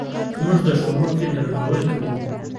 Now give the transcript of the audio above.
موږ د ښوونکو درناوی کوو.